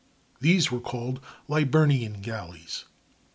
These were called Liburnian galleys.